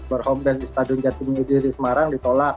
berhome base di stadion jatimudi di semarang ditolak